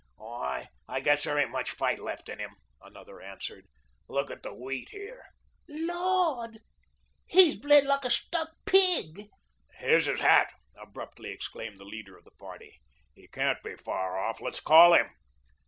"I guess there ain't much fight left in him," another answered. "Look at the wheat here." "Lord! He's bled like a stuck pig." "Here's his hat," abruptly exclaimed the leader of the party. "He can't be far off. Let's call him."